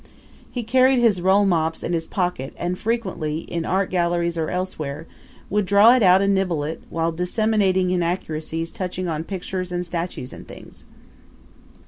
He carried his rollmops in his pocket and frequently, in art galleries or elsewhere, would draw it out and nibble it, while disseminating inaccuracies touching on pictures and statues and things.